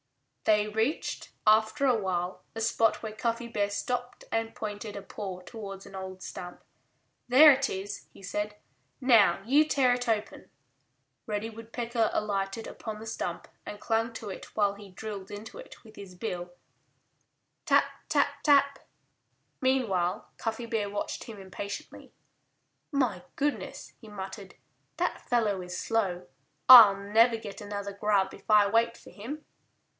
They reached, after a while, a spot where Cuffy Bear stopped and pointed a paw towards an old stump. "There it is," he said. "Now you tear it open." Reddy Woodpecker alighted upon the stump and clung to it while he drilled into it with his bill, tap, tap, tap! Meanwhile Cuffy Bear watched him impatiently. "My goodness!" he muttered. "That fellow is slow. I'll never get another grub if I wait for him."